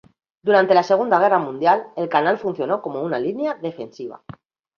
Durante la Segunda Guerra Mundial, el canal funcionó como una línea defensiva.